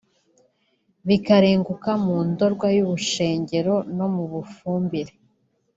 bikarenguka mu Ndorwa y’u Bushengero no mu Bufumbira